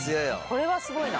これはすごいな。